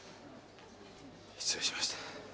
失礼しました。